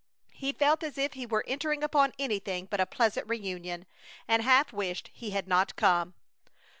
He felt as if he were entering upon anything but a pleasant reunion, and half wished he had not come.